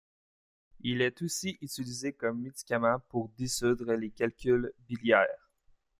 Il est aussi utilisé comme médicament pour dissoudre les calculs biliaires.